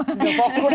gak fokus gitu ya